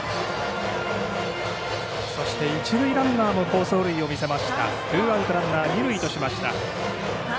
そして一塁ランナーも好走塁を見せましたツーアウトランナー二塁としました。